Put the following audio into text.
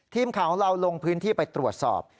ทีมข่าวของเราลงพื้นที่ไปตรวจสอบ